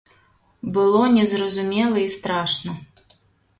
Было незразумела і страшна.